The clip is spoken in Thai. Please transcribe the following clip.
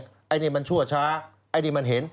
อันนี้มันชั่วช้าไอ้นี่มันเห็น